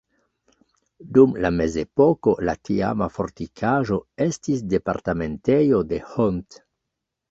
Dum la mezepoko la tiama fortikaĵo estis departementejo de Hont.